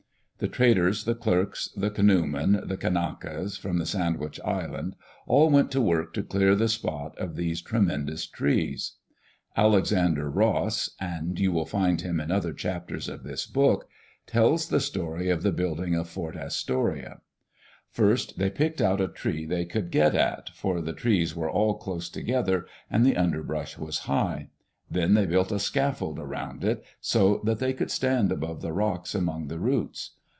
The traders, the clerks, the canoemen, the Kanakas from the Sandwich Islands — all went to work to clear the spot of these tremendous trees. Alexander Ross — and you will find him in other chap Digitized by CjOOQ IC HOW THEY BUILT ASTORIA ters of this book — tells the story of the building of Fort Astoria. First they picked out a tree they could get at, for the trees were all close together and the underbrush was high. Then they built a scaffold around it, so that they could stand above the rocks among the roots.